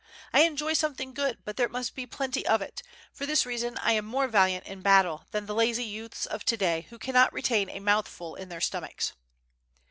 I enjoy something good, but there must be plenty of it; for this reason I am more valiant in battle than the lazy youths of to day who cannot retain a mouthful in their stomachs."